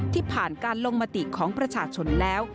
ที่ผ่านการลงมติของประชาชนแล้ว